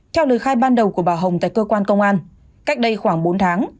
theo lời khai ban đầu của bà hồng tại cơ quan công an cách đây khoảng bốn tháng